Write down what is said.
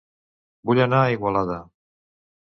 Vull anar a Igualada